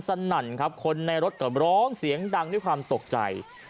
สนั่นครับคนในรถก็ร้องเสียงดังด้วยความตกใจ